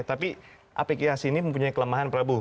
tapi aplikasi ini mempunyai kelemahan prabu